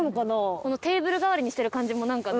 このテーブル代わりにしてる感じもなんかね。